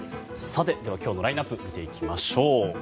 今日のラインアップ見ていきましょう。